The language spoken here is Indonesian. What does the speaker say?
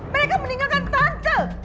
mereka meninggalkan tante